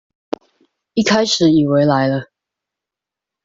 一開始以為來了